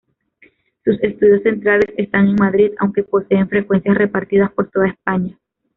Sus estudios centrales están en Madrid, aunque posee frecuencias repartidas por toda España.